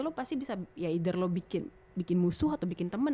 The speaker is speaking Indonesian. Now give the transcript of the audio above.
lo pasti bisa ya either lo bikin musuh atau lo bikin perempuan